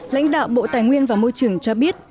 lãnh đạo bộ tài nguyên và môi trường cho biết